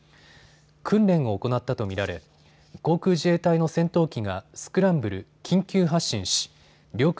訓練を行ったと見られ航空自衛隊の戦闘機がスクランブル・緊急発進し領空